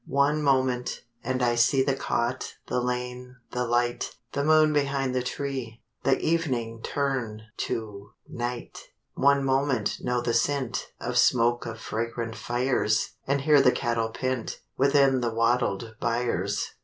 One moment, and I see The cot, the lane, the light, The moon behind the tree, The evening turn to night; One moment know the scent Of smoke of fragrant fires, And hear the cattle pent Within the wattled byres.